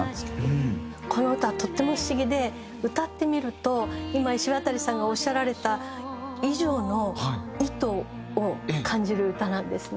この歌はとっても不思議で歌ってみると今いしわたりさんがおっしゃられた以上の意図を感じる歌なんですね。